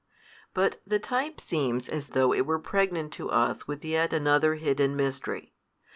But the type seems as though it were pregnant to us with yet another hidden mystery.